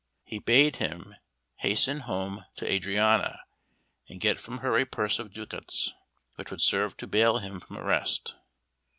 He bade him hasten home to Adriana and get from her a purse of ducats, which would serve to bail him from arrest.